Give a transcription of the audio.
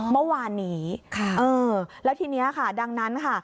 อ๋อค่ะอืมแล้วทีนี้ค่ะดังนั้นค่ะ